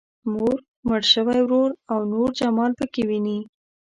مور، مړ شوی ورور او نور جمال پکې ويني.